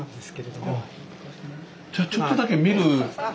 じゃあちょっとだけ見る。